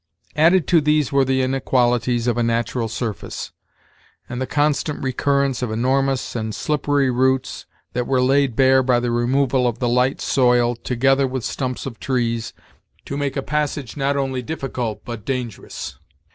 Added to these were the inequalities of a natural surface, and the constant recurrence of enormous and slippery roots that were laid bare by the removal of the light soil, together with stumps of trees, to make a passage not only difficult but dangerous.